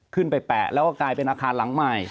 ขึ้นไปแปะแล้วก็กลายเป็นอาคารหลังไม้